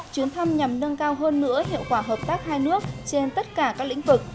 chuyến thăm nhằm nâng cao hơn nữa hiệu quả hợp tác hai nước trên tất cả các lĩnh vực